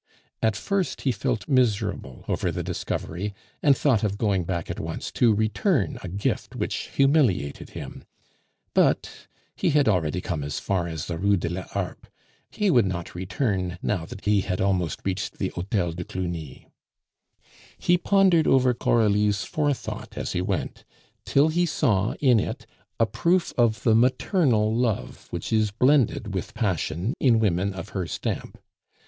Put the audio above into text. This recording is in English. At first he felt miserable over the discovery, and thought of going back at once to return a gift which humiliated him; but he had already come as far as the Rue de la Harpe; he would not return now that he had almost reached the Hotel de Cluny. He pondered over Coralie's forethought as he went, till he saw in it a proof of the maternal love which is blended with passion in women of her stamp.